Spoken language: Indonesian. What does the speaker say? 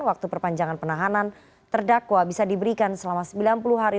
waktu perpanjangan penahanan terdakwa bisa diberikan selama sembilan puluh hari